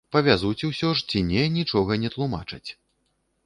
Павязуць усё ж ці не, нічога не тлумачаць.